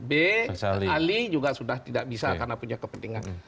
b ali juga sudah tidak bisa karena punya kepentingan